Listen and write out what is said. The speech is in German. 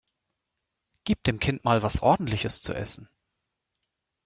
Gib dem Kind mal was Ordentliches zu essen!